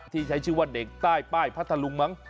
ที่ใช้ชื่อว่าเด็กใต้ป้ายพัทธลุงมั้ง